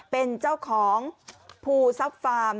เป็นเจ้าของภูทรัพย์ฟาร์ม